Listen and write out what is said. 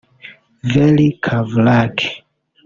Veli Kavlak